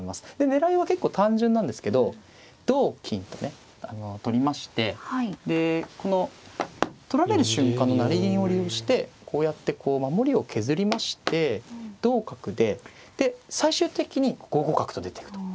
狙いは結構単純なんですけど同金とね取りましてでこの取られる瞬間の成銀を利用してこうやってこう守りを削りまして同角でで最終的に５五角と出ていくと。